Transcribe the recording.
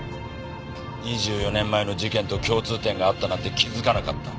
２４年前の事件と共通点があったなんて気づかなかった。